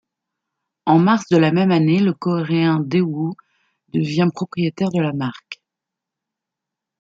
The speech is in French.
En mars de la même année, le coréen Daewoo devient propriétaire de la marque.